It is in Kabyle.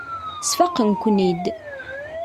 Sfaqen-ken-id.